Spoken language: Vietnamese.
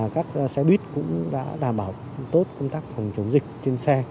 các xe buýt cũng đã đảm bảo tốt công tác phòng chống dịch trên xe